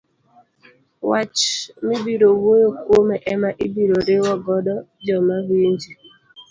wach mibiro wuoyo kuome ema ibiro riwo godo joma winji.